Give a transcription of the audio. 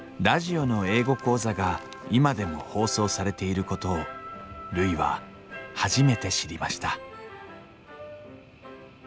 ラジオの英語講座が今でも放送されていることをるいは初めて知りました